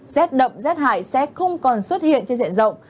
xét đậm xét hại sẽ không còn xuất hiện trên dạng rộng